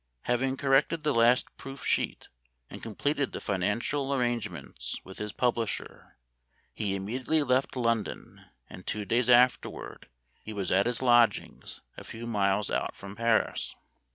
Having corrected the last proof sheet, and completed the financial arrangements with his publisher, he immediately left London, and two days afterward he was at his lodgings, a few miles out from Paris.